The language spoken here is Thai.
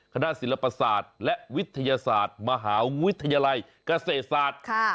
ศิลปศาสตร์และวิทยาศาสตร์มหาวิทยาลัยเกษตรศาสตร์